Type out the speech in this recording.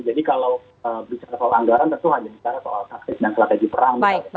jadi kalau bicara soal anggaran tentu hanya bicara soal taktis dan strategi perang